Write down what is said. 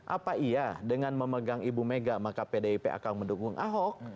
apa iya dengan memegang ibu mega maka pdip akan mendukung ahok